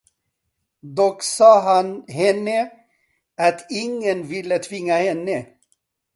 Dock sade han henne, att ingen ville tvinga henne.